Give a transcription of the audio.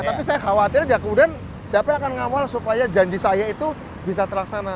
tapi saya khawatir aja kemudian siapa yang akan mengawal supaya janji saya itu bisa terlaksana